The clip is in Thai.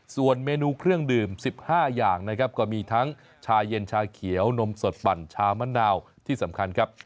ส่วนเมนูเครื่องดื่ม๑๕อย่างนะครับก็มีทั้งชาเย็นชาเขียวนมสดปั่นชามะนาวที่สำคัญครับ